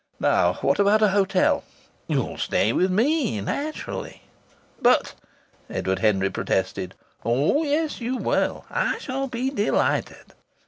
Now what about a hotel?" "You'll stay with me naturally." "But " Edward Henry protested. "Oh, yes, you will. I shall be delighted."